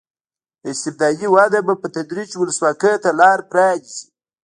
استبدادي وده به په تدریج ولسواکۍ ته لار پرانېزي.